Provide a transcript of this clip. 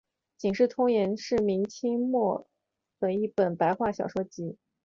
警世通言是明末清初的一本白话小说集。